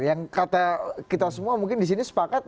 yang kata kita semua mungkin disini sepakat